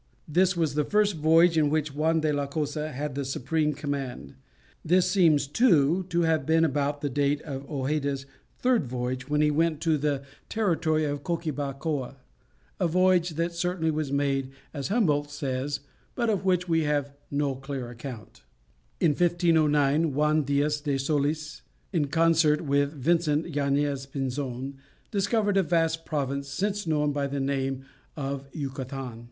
This was the first voyage in which Juan de la Cosa had the supreme command. This seems, too, to have been about the date of Hojeda's third voyage, when he went to the territory of Coquibacoa, a voyage that certainly was made, as Humboldt says, but of which we have no clear account. In 1509 Juan Diaz de Solis, in concert with Vincent Yañez Pinzon, discovered a vast province, since known by the name of Yucatan.